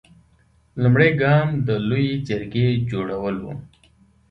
لومړنی ګام د لویې جرګې جوړول و.